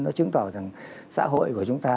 nó chứng tỏ rằng xã hội của chúng ta